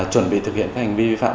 chuẩn bị thực hiện hành vi vi phạm